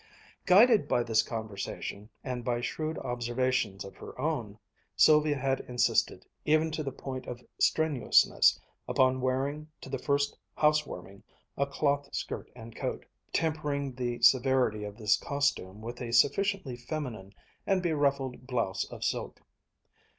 Guided by this conversation, and by shrewd observations of her own, Sylvia had insisted, even to the point of strenuousness, upon wearing to this first housewarming a cloth skirt and coat, tempering the severity of this costume with a sufficiently feminine and beruffled blouse of silk.